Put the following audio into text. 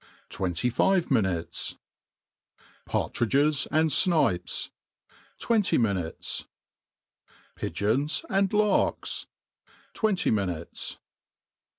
' Twelity liVtf miriutes, FJ'A tRfDGE $: and SNIP ^5. Twenty minutes. PIGEONS and LARKS. Twenty minujbes.'